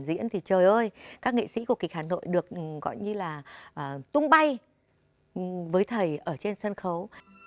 diễn thì trời ơi các nghệ sĩ của kịch hà nội được gọi như là tung bay với thầy ở trên sân khấu